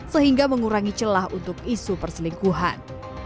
sehingga mengurangi celah untuk isu perselingkuhan